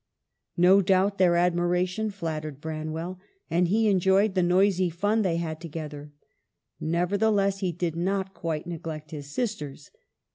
No doubt their admiration flattered Branwell, and he enjoyed the noisy fun they had together. Nevertheless he did not quite neglect his sisters.